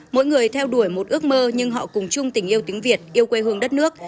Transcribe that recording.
mỗi người theo đuổi một ước mơ nhưng họ cùng chung tình yêu tiếng việt yêu quê hương đất nước